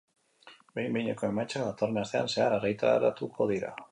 Behin-behineko emaitzak datorren astean zehar argitaratuko dira.